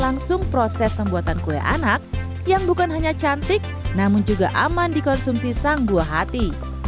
langsung proses pembuatan kue anak yang bukan hanya cantik namun juga aman dikonsumsi sang buah hati